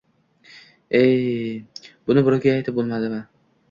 Ey-yey, buni birovga aytib bo‘ladimi?